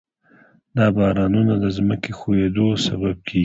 دا بارانونه د ځمکې ښویېدو سبب کېږي.